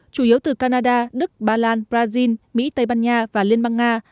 chủ yếu từ canada đức ba lan brazil mỹ tây ban nha và liên bang nga